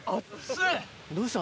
どうした？